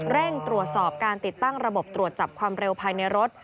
เร่งตรวจสอบการติดตั้งระบบตรวจจับความเร็วภายในรถ